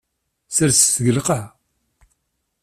Serset-t deg lqaɛa.